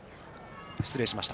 失礼しました。